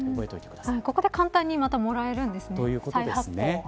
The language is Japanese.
ここでまた簡単にもらえるんですね。